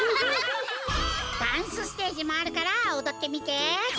ダンスステージもあるからおどってみて！